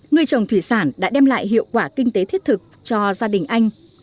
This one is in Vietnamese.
nuôi trồng thủy sản đã đem lại hiệu quả kinh tế thiết thực cho gia đình anh